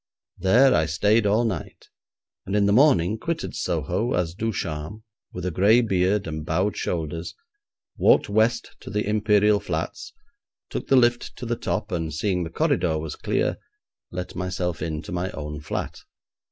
There I stayed all night, and in the morning quitted Soho as Ducharme, with a gray beard and bowed shoulders, walked west to the Imperial Flats, took the lift to the top, and, seeing the corridor was clear, let myself in to my own flat.